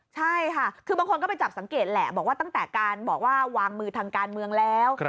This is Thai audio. ใช่ค่ะคือบางคนก็ไปจับสังเกตแหละบอกว่าตั้งแต่การบอกว่าวางมือทางการเมืองแล้ว